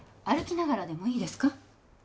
歩きながらでもいいですか？